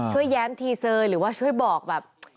แย้มทีเซยหรือว่าช่วยบอกแบบ